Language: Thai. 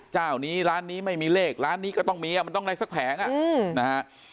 เจ้านี้ร้านนี้ไม่มีเลขร้านนี้ก็ต้องมีมันต้องได้สักแผงอ่ะนะฮะ